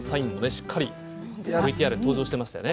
しっかりＶＴＲに登場してましたよね。